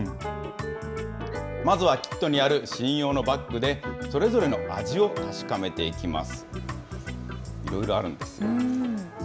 まずはキットにある試飲用のバッグで、それぞれの味を確かめていきます。